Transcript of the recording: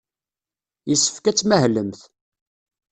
Yessefk ad tmahlemt.